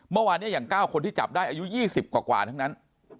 เมื่อวานนี้อย่าง๙คนที่จับได้อายุ๒๐กว่าทั้งนั้น